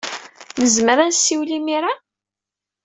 Nezmer ad nessiwel imir-a?